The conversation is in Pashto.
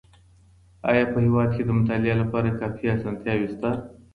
آيا په هېواد کي د مطالعې لپاره کافي اسانتياوې سته؟